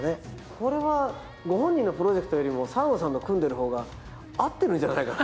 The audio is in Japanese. これはご本人のプロジェクトよりも澤野さんと組んでるほうが合ってるんじゃないかな。